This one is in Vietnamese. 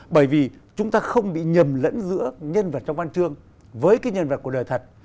bởi vì chúng ta không bị nhầm lẫn giữa nhân vật trong văn chương với cái nhân vật của đời thật